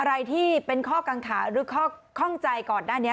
อะไรที่เป็นข้อกังขาหรือข้อข้องใจก่อนหน้านี้